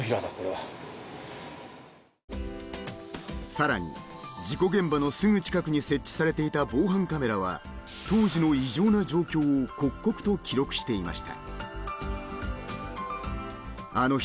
さらに事故現場のすぐ近くに設置されていた防犯カメラは当時の現場を取材するとが見えて来ました